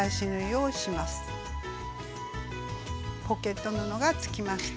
ポケット布がつきました。